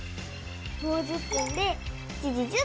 もう１０分で７時１０分！